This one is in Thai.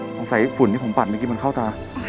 คงใส่ฝุ่นที่ผมปัดกี่ทีมันเข้าตะ